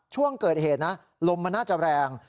ช่วงเกิดเหตุนะลมมันน่าจะแรง